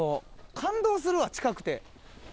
感動するわ近くて。